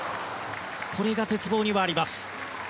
これが鉄棒にはあります。